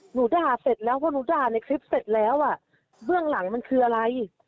หนูด่าเสร็จแล้วพอหนูด่าในคลิปเสร็จแล้วอ่ะเบื้องหลังมันคืออะไร